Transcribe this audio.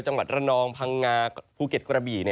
จังหวัดระนองพังงาภูเก็ตกระบี่